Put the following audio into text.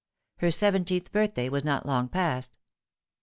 Her seventeenth birthday was not long past.